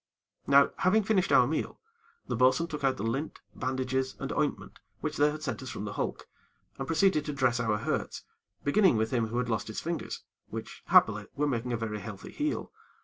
Now, having finished our meal, the bo'sun took out the lint, bandages and ointment, which they had sent us from the hulk, and proceeded to dress our hurts, beginning with him who had lost his fingers, which, happily, were making a very healthy heal.